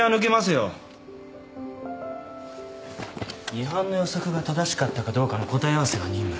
ミハンの予測が正しかったかどうかの答え合わせが任務？